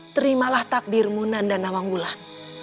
terimalah takdirmu nanda nawanggulan